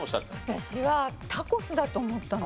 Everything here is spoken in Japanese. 私はタコスだと思ったの。